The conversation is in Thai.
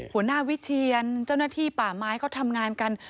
หัวหน้าวิเชียนเจ้าหน้าที่ป่าไม้เขาทำงานกัน